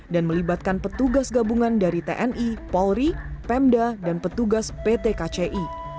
dan melibatkan petugas gabungan dari tni polri pemda dan petugas pt kci